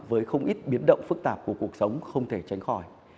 với không ít biến động phức tạp của cuộc sống không thể tránh khỏi